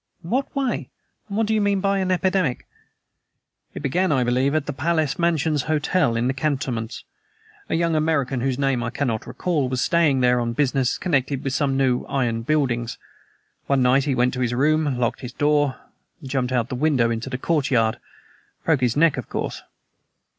"In what way? And what do you mean by an epidemic?" "It began, I believe, at the Palace Mansions Hotel, in the cantonments. A young American, whose name I cannot recall, was staying there on business connected with some new iron buildings. One night he went to his room, locked the door, and jumped out of the window into the courtyard. Broke his neck, of course."